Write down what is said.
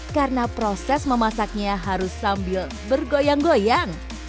karena proses memasaknya harus sambil bergoyang goyang